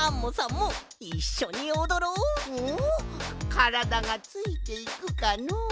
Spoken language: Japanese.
からだがついていくかのう？